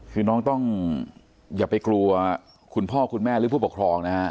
คือน้องต้องอย่าไปกลัวคุณพ่อคุณแม่หรือผู้ปกครองนะฮะ